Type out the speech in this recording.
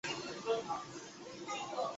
曾祖父刘寿一。